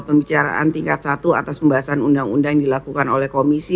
pembicaraan tingkat satu atas pembahasan undang undang yang dilakukan oleh komisi